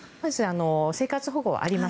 生活保護はあります。